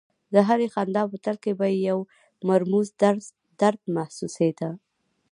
د هرې خندا په تل کې به یې یو مرموز درد محسوسېده